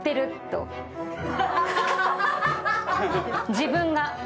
自分が。